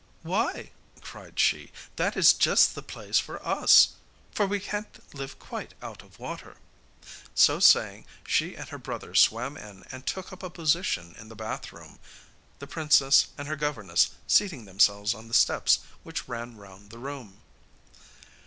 'Why,' cried she, 'that is just the place for us, for we can't live quite out of water.' So saying, she and her brother swam in and took up a position in the bathroom, the princess and her governess seating themselves on the steps which ran round the room.